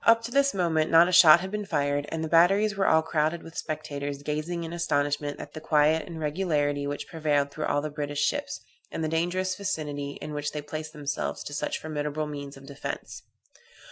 Up to this moment not a shot had been fired, and the batteries were all crowded with spectators, gazing in astonishment at the quiet and regularity which prevailed through all the British ships, and the dangerous vicinity in which they placed themselves to such formidable means of defence.